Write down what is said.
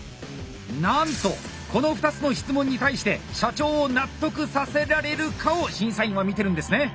なんとこの２つの質問に対して社長を納得させられるかを審査員は見てるんですね。